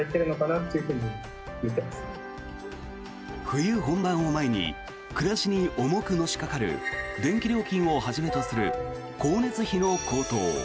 冬本番を前に暮らしに重くのしかかる電気料金をはじめとする光熱費の高騰。